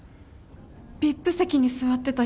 ＶＩＰ席に座ってた人。